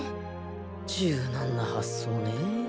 柔軟な発想ねぇ